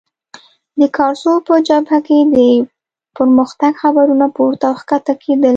د کارسو په جبهه کې د پرمختګ خبرونه پورته او کښته کېدل.